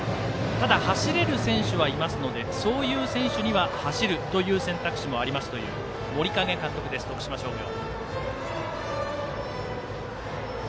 ただ、走れる選手はいますのでそういう選手には走るという選択肢もありますという森影監督です、徳島商業。